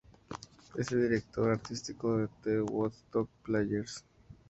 Es el director artístico de "The Woodstock Players".